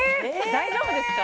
大丈夫ですか？